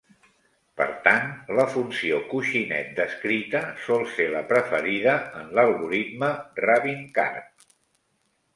Per tant, la funció coixinet descrita sol ser la preferida en l'algoritme Rabin-Karp.